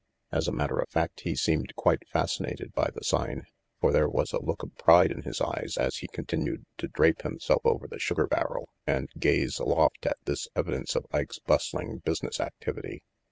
As a matter of fact, he seemed quite fascinated by the sign, for there was a look of pride in his eyes as he continued to drape himself over the sugar barrel and gaze aloft at this evidence of Ike's bustling business activity.